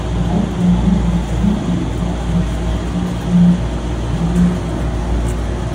Bereits nach einer Saison und nur vier absolvierten Ligaspielen verließ Cole den Verein wieder.